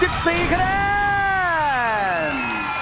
๓๑๔คะแนน